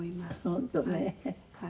本当ね。